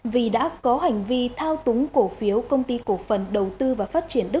vì đã có hành vi thao túng cổ phiếu công ty cổ phiếu